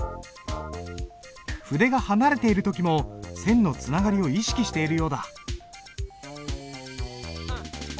筆が離れている時も線のつながりを意識しているようだ。